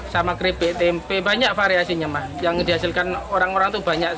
sama keripik tempe banyak variasinya yang dihasilkan orang orang itu banyak sekali